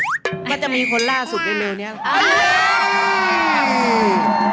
ว่าจะมีคนล่าสุดในโลกนี้